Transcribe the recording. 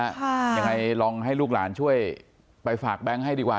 ยังไงลองให้ลูกหลานช่วยไปฝากแบงค์ให้ดีกว่า